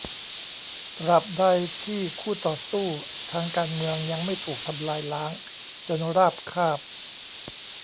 ตราบใดที่คู่ต่อสู้ทางการเมืองยังไม่ถูกทำลายล้างจนราบคาบ